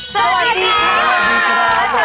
สวัสดีค่ะ